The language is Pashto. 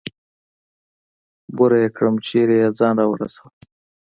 بوره يې کړم چېرته يې ځان راورسوه.